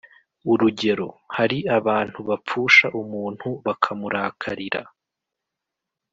Urugero, hari abantu bapfusha umuntu bakamurakarira